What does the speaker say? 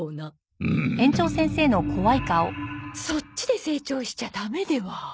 そっちで成長しちゃダメでは。